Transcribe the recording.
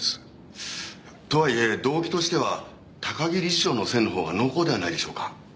とは言え動機としては高木理事長の線のほうが濃厚ではないでしょうか。